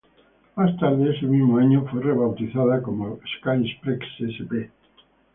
Más tarde, ese mismo año, fue rebautizada como Sky Express Sp.